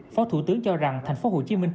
phó thủ tướng cho rằng thành phố hồ chí minh